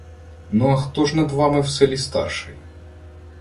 -Ну, а хто ж над вами в селі старший?